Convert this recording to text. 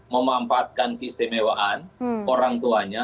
memanfaatkan keistimewaan orang tuanya